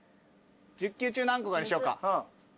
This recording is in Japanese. １０球中何個かにしようか。